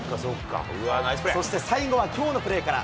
そして最後はきょうのプレーから。